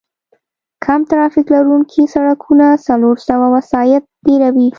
کم ترافیک لرونکي سړکونه څلور سوه وسایط تېروي